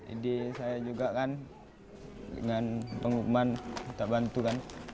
ide saya juga kan dengan pengukuman kita bantu kan